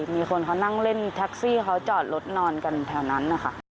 มีคนเขานั่งเล่นแท็กซี่เขาจอดรถนอนกันแถวนั้นนะคะ